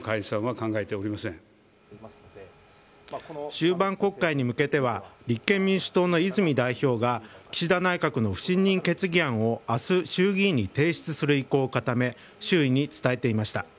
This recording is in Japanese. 終盤国会に向けては立憲民主党の泉代表が岸田内閣の内閣不信任案を明日、衆議院に提出する意向を固め周囲に伝えていました。